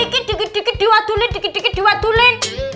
ikit dikidikit diwadulin